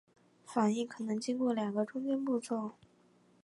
反应可能经过两个中间步骤。